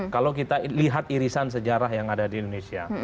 kalau kita lihat irisan sejarah yang ada di indonesia